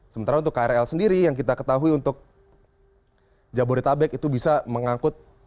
sementara untuk krl sendiri yang kita ketahui untuk jabodetabek itu bisa mengangkut